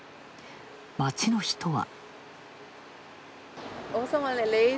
街の人は。